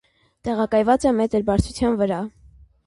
Տեղակայված է մ բարձրության վրա։